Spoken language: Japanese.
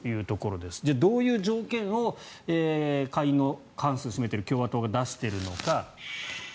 では、どういう条件を下院の過半数を占めている共和党が出しているのか。